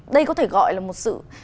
đây có thể gọi là một sự